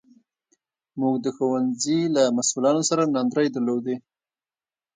موږ د ښوونځي له مسوولانو سره ناندرۍ درلودې.